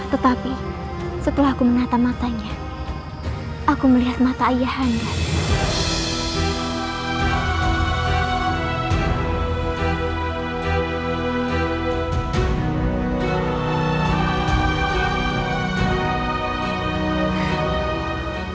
tetapi setelah aku menata matanya aku melihat mata ayah anda